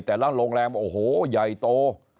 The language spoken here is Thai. แต่ละโรงแรมโอ้โหใหญ่โต